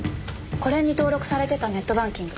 これに登録されてたネットバンキング。